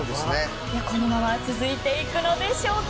このまま続いていくのでしょうか。